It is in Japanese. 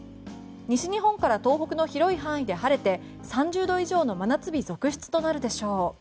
西日本から東北の広い範囲で晴れて３０度以上の真夏日続出となるでしょう。